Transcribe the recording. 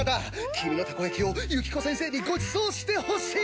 君のたこやきをユキコ先生にごちそうしてほしい。